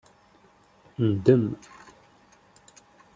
Ndem